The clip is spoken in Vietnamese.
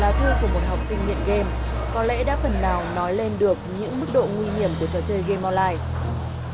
bài thơ của một học sinh nghiện game có lẽ đã phần nào nói lên được những mức độ nguy hiểm của trò chơi game online